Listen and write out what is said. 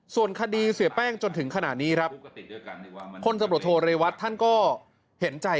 ส่วนคดีเสียแป้งจนถึงขนาดนี้ครับคนสมโปรโทอาร์เรวัตรท่านก็เห็นใจ